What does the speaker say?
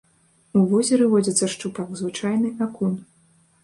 У возеры водзяцца шчупак звычайны, акунь.